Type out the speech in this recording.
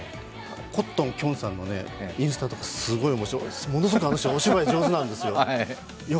コットン・きょんさんのインスタとか、あの人ものすごくお芝居上手なんですよ。